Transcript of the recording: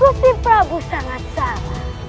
gusti prabu sangat salah